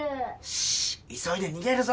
しーっ急いで逃げるぞ。